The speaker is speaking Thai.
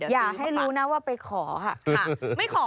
อย่าให้รู้นะว่าไปขอค่ะ